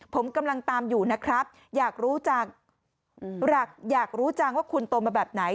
ผมกำลังตามอยู่นะครับอยากรู้จังว่าคุณโตมาแบบไหน